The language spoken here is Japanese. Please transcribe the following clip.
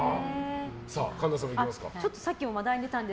神田さん、いきますか。